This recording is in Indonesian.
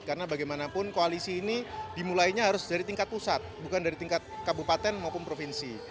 karena bagaimanapun koalisi ini dimulainya harus dari tingkat pusat bukan dari tingkat kabupaten maupun provinsi